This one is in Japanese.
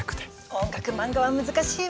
音楽漫画は難しいわよ。